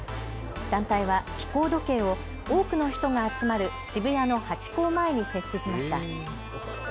団体は気候時計を多くの人が集まる渋谷のハチ公前に設置しました。